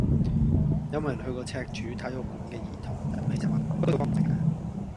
有無人去過赤柱體育館嘅兒童遊戲室玩？嗰度乾唔乾淨㗎？